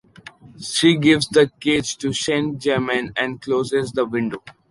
She gives the cage to Saint-Germain and closes the window.